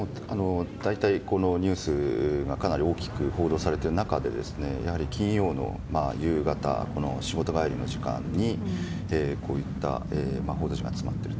大体このニュースがかなり大きく報道されている中でやはり金曜の夕方仕事帰りの時間にこういった報道陣が集まっている。